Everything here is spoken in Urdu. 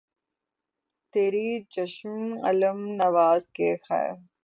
تیری چشم الم نواز کی خیر